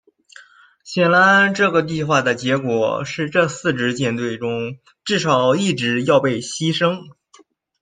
显然这个计划的结果是这四支舰队中至少一支要被牺牲。